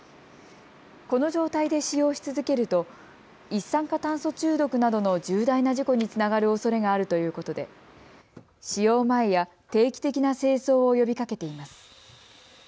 この状態で使用し続けると一酸化炭素中毒などの重大な事故につながるおそれがあるということで使用前や定期的な清掃を呼びかけています。